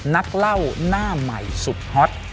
นักเล่าหน้าใหม่สุดฮอต